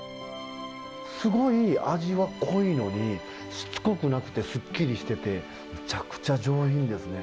すごい味は濃いのにしつこくなくてすっきりしててむちゃくちゃ上品ですね。